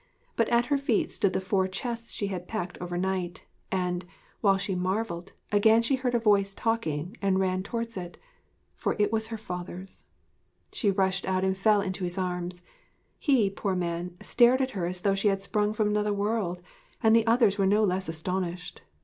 But at her feet stood the four chests she had packed overnight; and, while she marvelled, again she heard a voice talking, and ran towards it. For it was her father's. She rushed out and fell into his arms. He, poor man, stared at her as though she had sprung from another world, and the others were no less astonished.